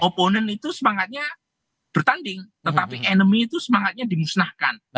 openen itu semangatnya bertanding tetapi enemy itu semangatnya dimusnahkan